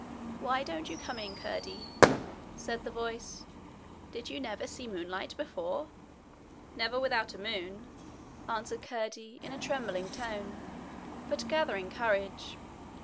'Why don't you come in, Curdie?' said the voice. 'Did you never see moonlight before?' 'Never without a moon,' answered Curdie, in a trembling tone, but gathering courage.